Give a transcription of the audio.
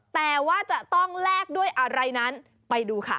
แต่ว่าจะต้องแลกด้วยอะไรนั้นไปดูค่ะ